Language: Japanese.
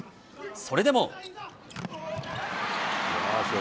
それでも。